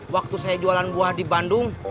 waktu saya jualan buah di bandung